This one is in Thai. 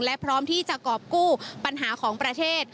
และพร้อมที่จะกรอบกู้ปัญหาของประเทศ